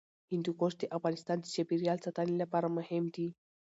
هندوکش د افغانستان د چاپیریال ساتنې لپاره مهم دي.